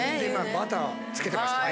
バターつけてましたよね。